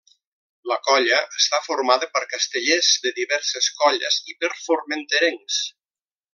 La colla està formada per castellers de diverses colles i per formenterencs.